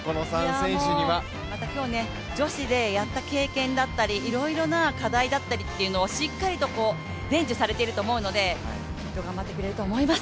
また今日、女子でやった経験だったり、いろいろな課題だったりをしっかりと伝授されてると思うのできっと頑張ってくれると思います。